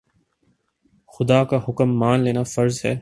خدا کا حکم مان لینا فرض ہے